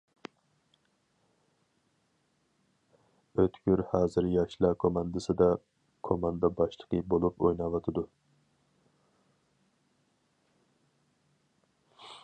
ئۆتكۈر ھازىر ياشلا كوماندىسىدا كوماندا باشلىقى بولۇپ ئويناۋاتىدۇ.